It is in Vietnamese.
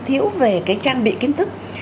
thiếu về cái trang bị kiến thức